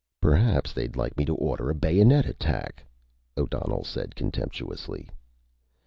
"Perhaps they'd like me to order a bayonet attack," O'Donnell said contemptuously.